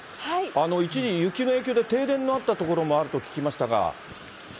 一時雪の影響で、停電のあった所もあると聞きましたが。